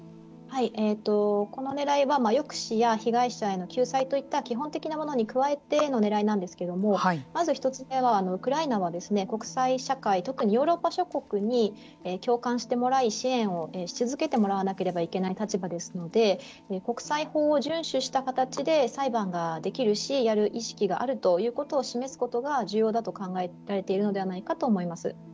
このねらいは、抑止や被害者への救済といった基本的なものに加えてのねらいなんですけどもまず１つ目はウクライナは国際社会特にヨーロッパ諸国に共感してもらい支援をし続けてもらわなければいけない立場ですので国際法を順守した形で裁判ができるしやる意識があるということを示すことが重要だと考えられているのではないかと思います。